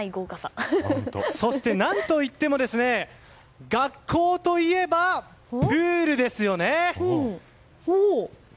そして何といっても学校といえば、プールですよね。